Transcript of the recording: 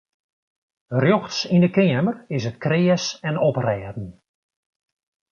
Rjochts yn de keamer is it kreas en oprêden.